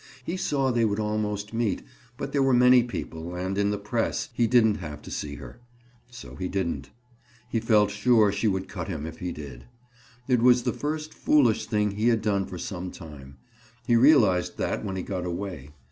He saw they would almost meet, but there were many people and, in the press, he didn't have to see her. So he didn't. He felt sure she would cut him if he did. It was the first foolish thing he had done for some time; he realized that when he got away.